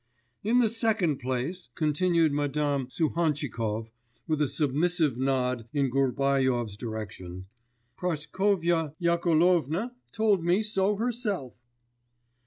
'In the second place,' continued Madame Suhantchikov, with a submissive nod in Gubaryov's direction, 'Praskovya Yakovlovna told me so herself.